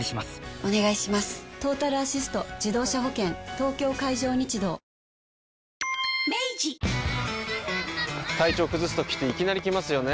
東京海上日動体調崩すときっていきなり来ますよね。